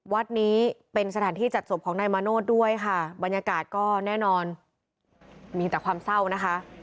วัดนี้เป็นสถานที่จัดศพของนายมาโนธด้วยค่ะบรรยากาศก็แน่นอนมีแต่ความเศร้านะคะ